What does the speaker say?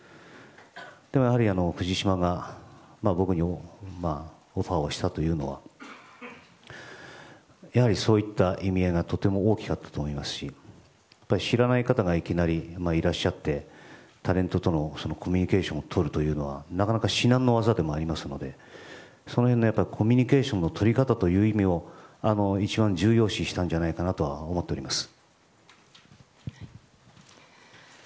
でも、やはり藤島が僕にオファーをしたというのはやはりそういった意味合いがとても大きかったと思いますし知らない方がいきなりいらっしゃってタレントとのコミュニケーションをとるというのはなかなか至難の業でもありますのでその辺のコミュニケーションの取り方という意味を一番、重要視したんじゃないかなとは思っております。